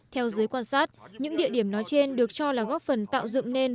theo giới quan sát những địa điểm nói trên được cho là góp phần tạo dựng nên